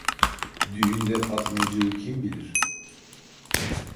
Düğünde Fatmacığı kim bilir?